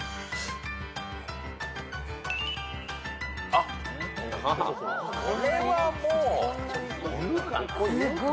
あっこれはもう。